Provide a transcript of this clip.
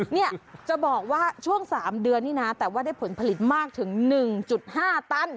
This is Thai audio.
เนี่ยจะบอกว่าช่วง๓เดือนนี่นะแต่ว่าได้ผลผลิตมากถึง๑๕ตัน